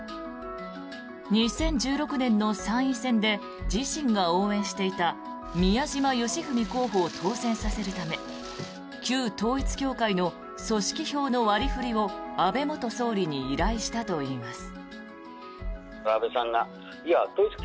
２０１６年の参院選で自身が応援していた宮島喜文候補を当選させるため旧統一教会の組織票の割り振りを安倍元総理に依頼したといいます。